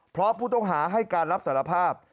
เพราะผู้ต้องหาให้การรับสารภาพ